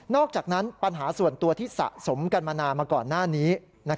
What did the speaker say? อกจากนั้นปัญหาส่วนตัวที่สะสมกันมานานมาก่อนหน้านี้